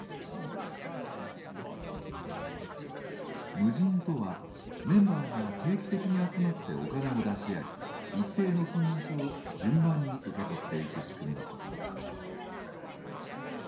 無尽とはメンバーが定期的に集まってお金を出し合い一定の金額を順番に受け取っていく仕組みのこと。